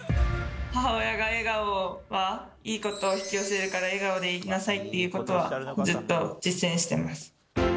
母親が、笑顔はいいことを引き寄せるから、笑顔でいなさいということは、ずっと実践してます。